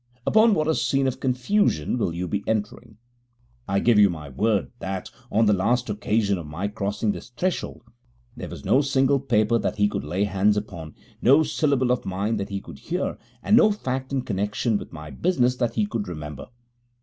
Upon what a scene of confusion will you be entering! I give you my word that, on the last occasion of my crossing his threshold, there was no single paper that he could lay hands upon, no syllable of mine that he could hear, and no fact in connexion with my business that he could remember.